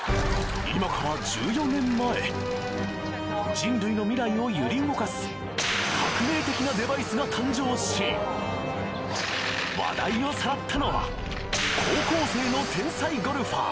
人類の未来を揺り動かす革命的なデバイスが誕生し話題をさらったのは高校生の天才ゴルファー。